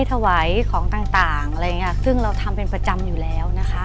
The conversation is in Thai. ถวายของต่างต่างอะไรอย่างเงี้ยซึ่งเราทำเป็นประจำอยู่แล้วนะคะ